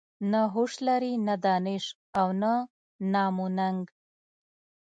نه هوش لري نه دانش او نه نام و ننګ.